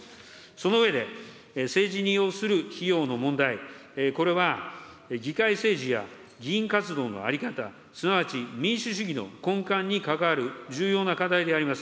その上で、政治に要する費用の問題、これは議会政治や議員活動の在り方、すなわち民主主義の根幹にかかわる重要な課題であります。